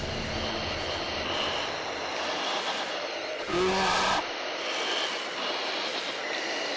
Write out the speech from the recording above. うわ。